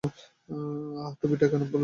আহ, টুপিটা কেন পরলে?